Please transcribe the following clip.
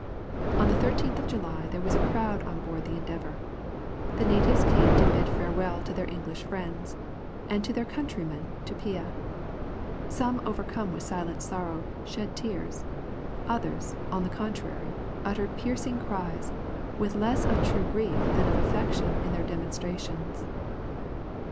On the 13th of July there was a crowd on board the Endeavour. The natives came to bid farewell to their English friends, and to their countryman Tupia. Some overcome with silent sorrow shed tears, others, on the contrary, uttered piercing cries, with less of true grief than of affectation in their demonstrations.